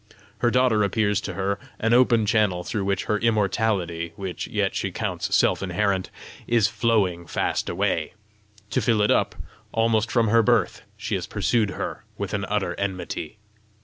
Her daughter appears to her an open channel through which her immortality which yet she counts self inherent is flowing fast away: to fill it up, almost from her birth she has pursued her with an utter enmity.